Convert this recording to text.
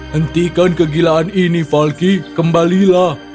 hentikan kegilaan ini falky kembalilah